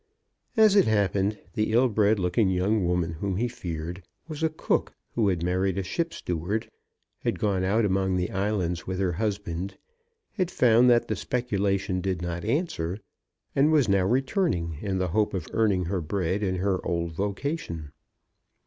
As it happened, the ill bred looking young woman whom he feared, was a cook who had married a ship steward, had gone out among the islands with her husband, had found that the speculation did not answer, and was now returning in the hope of earning her bread in her old vocation.